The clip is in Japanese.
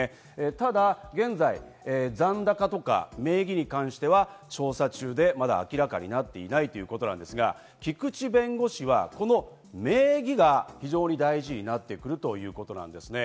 ただ現在、残高とか名義に関しては調査中で明らかになっていないということですが、菊地弁護士はこの名義が非常に大事になってくるということなんです。